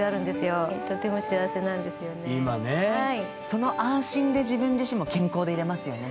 その安心で自分自身も健康でいれますよね。